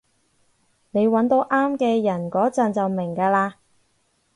你搵到啱嘅人嗰陣就明㗎喇